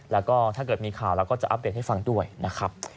แล้วก็ถ้าเกิดมีข่าวเราก็จะอัปเดตให้ฟังด้วยนะครับ